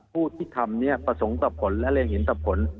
ผู้ที่ทำนี้ประสงค์ตอบผลและเรียงเห็นตอบผล